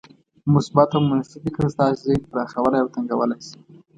مثبت او منفي فکر ستاسې ذهن پراخولای او تنګولای شي.